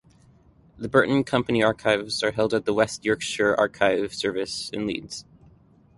The Burton company archives are held at the West Yorkshire Archive Service in Leeds.